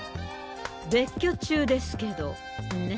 別居中ですけどね。